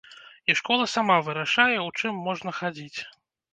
І школа сама вырашае, у чым можна хадзіць.